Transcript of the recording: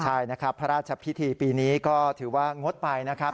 ใช่นะครับพระราชพิธีปีนี้ก็ถือว่างดไปนะครับ